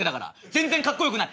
全然かっこよくない。